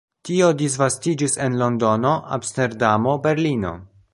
Tio disvastiĝis en Londono, Amsterdamo, Berlino.